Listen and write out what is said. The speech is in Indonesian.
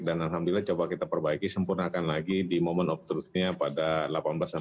dan alhamdulillah coba kita perbaiki sempurna akan lagi di moment of truth nya pada delapan belas dua puluh maret kemarin